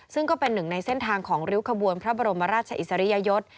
ซึ่งก็เป็นหนึ่งในเส้นทางของริ้วขบวนพระบรมราชอิสริยยศ